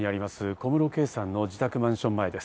小室圭さんの自宅マンション前です。